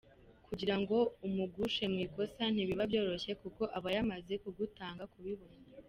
Kugira ngo umugushe mu ikosa ntibiba byoroshye kuko aba yamaze kugutanga kubibona.